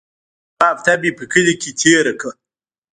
يوه هفته مې په کلي کښې تېره کړه.